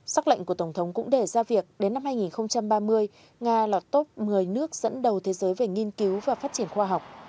sắc lệnh của tổng thống cũng đề ra việc đến năm hai nghìn ba mươi nga là top một mươi nước dẫn đầu thế giới về nghiên cứu và phát triển khoa học